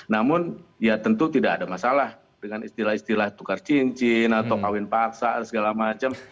namun ya tentu tidak ada masalah dengan istilah istilah tukar cincin atau kawin paksa dan segala macam